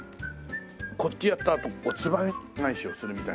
こっちやったあとつばめ返しをするみたいな。